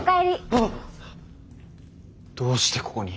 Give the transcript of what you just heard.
ああっ⁉どうしてここに？